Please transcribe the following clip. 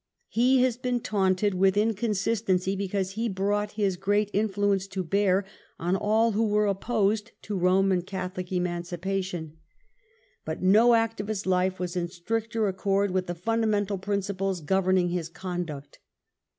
He has been taunted with inconsistency because he brought his great influence to bear on all who were opposed to Eoman Catholic emancipation; but no act 238 • WELLINGTON chap. of his life was in stricter accord with the fundamental principles governing his conduct.